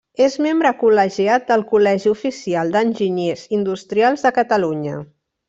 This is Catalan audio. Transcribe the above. És membre col·legiat del Col·legi Oficial d'Enginyers Industrials de Catalunya.